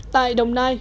tại đồng nai